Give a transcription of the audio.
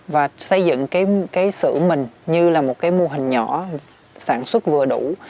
và xây dựng cái xưởng mình như là một cái mô hình nhỏ sản xuất vừa đủ